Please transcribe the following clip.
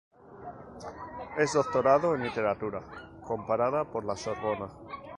Es doctorado en Literatura Comparada por la Sorbona.